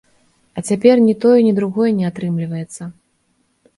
А цяпер ні тое, ні другое не атрымліваецца.